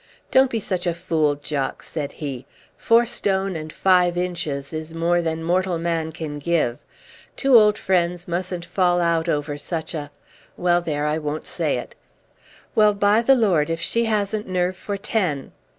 "Don't be such a fool, Jock!" said he. "Four stone and five inches is more than mortal man can give. Two old friends mustn't fall out over such a well, there, I won't say it. Well, by the Lord, if she hasn't nerve for ten!"